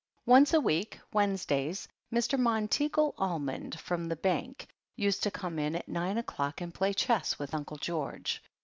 Once a week, Wednesdays, Mr. Monteagle Almond, from the Bank, used to come in at nine o'clock and play chess with Uncle George.